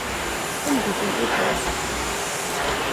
Anda i ten-tufamt?